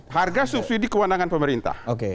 harga subsidi kewandangan pemerintah